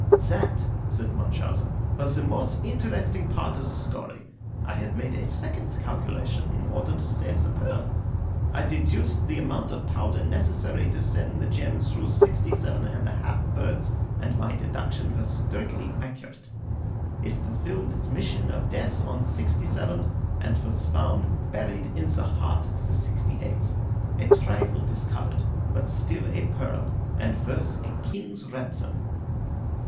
"That," said Munchausen, "was the most interesting part of the story. I had made a second calculation in order to save the pearl. I deduced the amount of powder necessary to send the gem through sixty seven and a half birds, and my deduction was strictly accurate. It fulfilled its mission of death on sixty seven and was found buried in the heart of the sixty eighth, a trifle discolored, but still a pearl, and worth a king's ransom."